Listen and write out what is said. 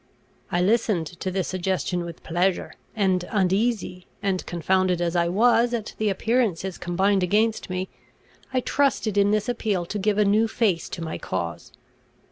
I listened to this suggestion with pleasure; and, uneasy and confounded as I was at the appearances combined against me, I trusted in this appeal to give a new face to my cause.